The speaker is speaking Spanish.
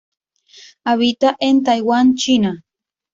Habita en Taiwan, China.